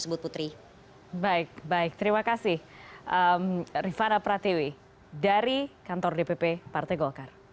baik baik terima kasih